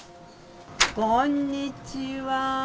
こんにちは。